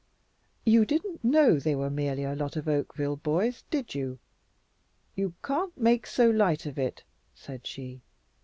You didn't know they were merely a lot of Oakville boys, did you?" "You can't make so light of it," said she.